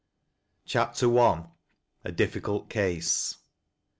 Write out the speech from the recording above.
CHAPTEK L A DIFFIOULT CASE.